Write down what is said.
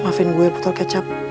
maafin gue puter kecap